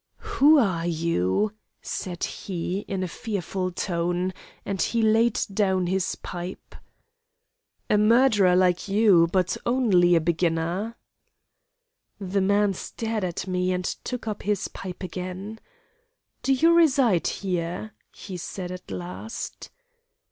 "'Who are you?' said he, in a fearful tone, and he laid down his pipe. "'A murderer like you, but only a beginner.' "The man stared at me, and took up his pipe again. 'Do you reside here?' he said at last.